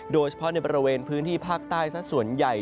โดยเฉพาะในบริเวณพื้นที่ภาคใต้สักส่วนใหญ่